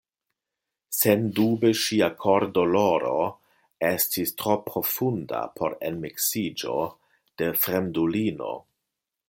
Sendube ŝia kordoloro estis tro profunda por enmiksiĝo de fremdulino.